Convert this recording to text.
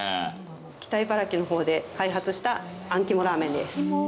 北茨城のほうで開発したあん肝ラーメンです。